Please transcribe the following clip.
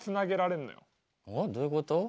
どういうこと？